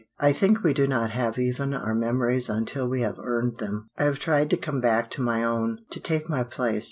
I think we do not have even our memories until we have earned them. I have tried to come back to my own, to take my place.